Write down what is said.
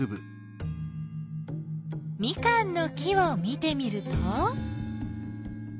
ミカンの木を見てみると？